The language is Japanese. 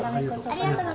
ありがとう。